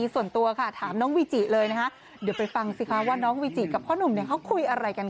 ส่วนตัวค่ะถามน้องวีจิเลยนะคะเดี๋ยวไปฟังสิคะว่าน้องวีจิกับพ่อหนุ่มเนี่ยเขาคุยอะไรกัน